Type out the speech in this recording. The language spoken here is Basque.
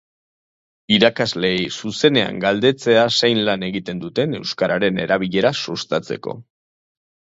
Irakasleei zuzenean galdetzea zein lan egiten duten euskararen erabilera sustatzeko.